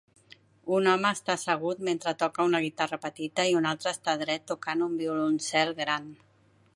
un home està assegut mentre toca una guitarra petita i un altre està dret tocant un violoncel gran